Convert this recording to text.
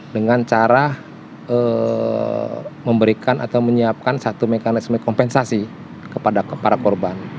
dengan cara memberikan atau menyiapkan satu mekanisme kompensasi kepada para korban